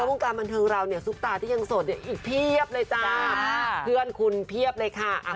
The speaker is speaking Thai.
พรุงการบันทึงเราซุปตาที่ยังโสดเลยอีกเพียบเลยครับ